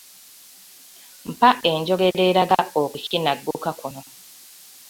Mpa enjogera eraga okukinagguka kuno.